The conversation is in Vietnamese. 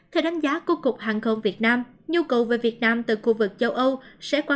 theo đánh giá của cục hàng không việt nam nhu cầu về việt nam từ khu vực châu âu sẽ qua